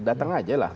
datang aja lah